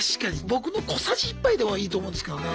僕の小さじ１杯でもいいと思うんですけどね。